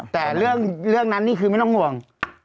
แต่เรื่องนั้นนี่คือไม่ต้องห่วง